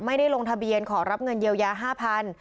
ไม่ได้ลงทะเบียนขอรับเงินเยียวยา๕๐๐บาท